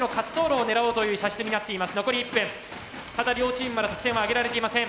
ただ両チームまだ得点は挙げられていません。